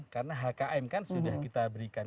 karena hkm kan sudah kita berikan